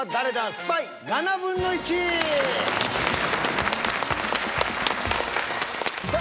スパイ７分の１！さあ